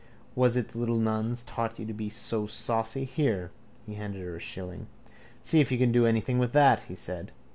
Was it the little nuns taught you to be so saucy? Here. He handed her a shilling. —See if you can do anything with that, he said.